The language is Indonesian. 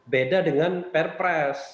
beda dengan perpres